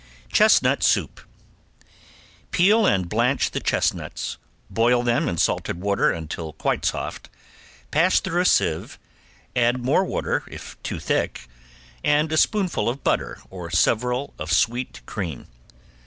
~CHESTNUT SOUP~ Peel and blanch the chestnuts, boil them in salted water until quite soft, pass through a sieve, add more water if too thick, and a spoonful of butter or several of sweet cream.